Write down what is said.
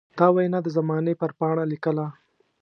دا وينا د زمانې پر پاڼه ليکله.